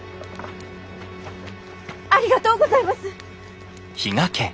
ありがとうございます！